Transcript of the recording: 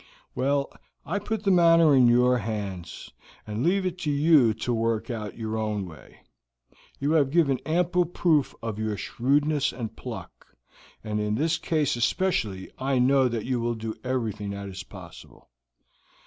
Well, I put the matter in your hands, and leave it to you to work out in your own way; you have given ample proof of your shrewdness and pluck, and in this case especially I know that you will do everything that is possible.